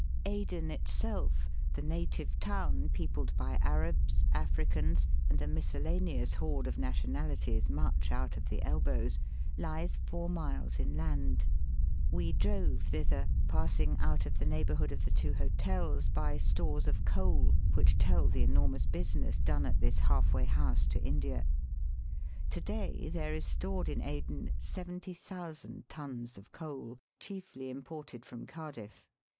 Aden itself, the native town peopled by Arabs, Africans, and a miscellaneous horde of nationalities much out of the elbows, lies four miles inland. We drove thither, passing out of the neighbourhood of the two hotels by stores of coal which tell the enormous business done at this half way house to India. To day there is stored in Aden 70,000 tons of coal, chiefly imported from Cardiff.